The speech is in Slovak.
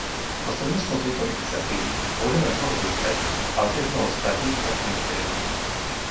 Prostredníctvom tejto iniciatívy môžeme mnoho získať, ale tiež mnoho stratiť, ak neuspejeme.